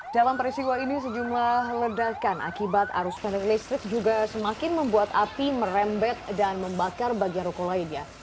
dalam peristiwa ini sejumlah ledakan akibat arus pendek listrik juga semakin membuat api merembet dan membakar bagian ruko lainnya